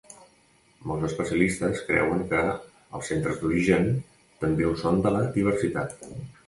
Molts especialistes creuen que els centres d'origen també ho són de la diversitat.